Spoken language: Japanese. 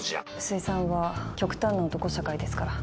水産は極端な男社会ですから。